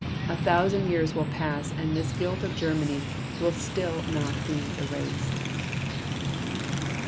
. A thousand years will pass and this guilt of Germany will still not be erased."